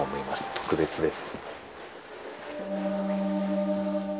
特別です。